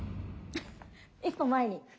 １歩前に。